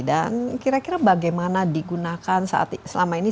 dan kira kira bagaimana digunakan selama ini